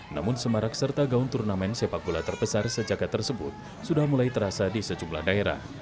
namun semarak serta gaun turnamen sepak bola terbesar sejagat tersebut sudah mulai terasa di sejumlah daerah